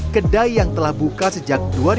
kedai yang telah buka sejak dua ribu dua